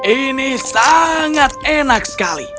ini sangat enak sekali